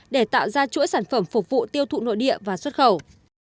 để tạo ra chuỗi sản phẩm phục vụ tiêu thụ nội địa và xuất khẩu